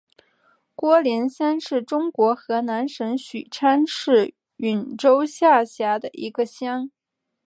郭连乡是中国河南省许昌市禹州市下辖的一个乡。